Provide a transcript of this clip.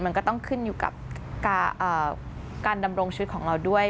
มันก็ต้องขึ้นอยู่กับการดำรงชีวิตของเราด้วย